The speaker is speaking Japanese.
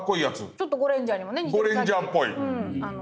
ちょっと「ゴレンジャー」にも似た。